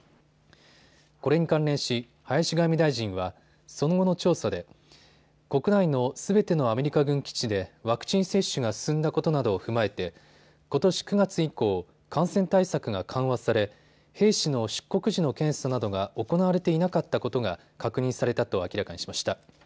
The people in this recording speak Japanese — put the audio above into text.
これに関連し、林外務大臣はその後の調査で国内のすべてのアメリカ軍基地でワクチン接種が進んだことなどを踏まえてことし９月以降、感染対策が緩和され兵士の出国時の検査などが行われていなかったことが確認されたと明らかにしました。